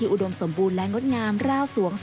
เพื่อกระตุ้นให้ทุกเมือง